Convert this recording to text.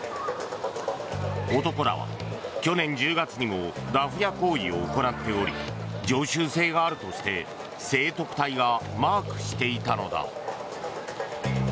男らは去年１０月にもダフ屋行為を行っており常習性があるとして生特隊がマークしていたのだ。